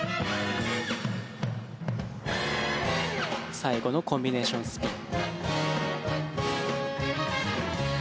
最後のコンビネーションスピン。